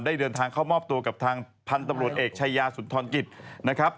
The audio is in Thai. เดินทางเข้ามอบตัวกับทางพันธุ์ตำรวจเอกชายาสุนทรกิจนะครับ